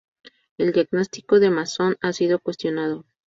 El diagnóstico de Mason ha sido cuestionado.